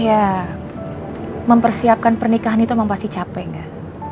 ya mempersiapkan pernikahan itu memang pasti capek nggak